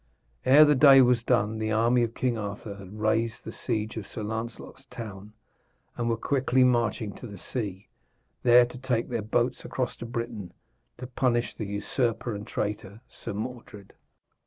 Ere the day was done the army of King Arthur had raised the siege of Sir Lancelot's town and were quickly marching to the sea, there to take their boats across to Britain to punish the usurper and traitor, Sir Mordred.